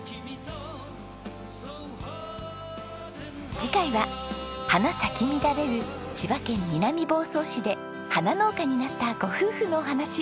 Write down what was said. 次回は花咲き乱れる千葉県南房総市で花農家になったご夫婦のお話。